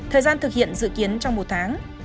thời gian thực hiện dự kiến trong một tháng